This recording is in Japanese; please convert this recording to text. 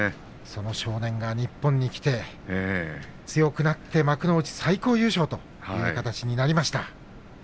その少年が日本に来て強くなって幕内最高優勝という形になりました。